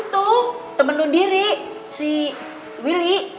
tuh temen lu diri si willy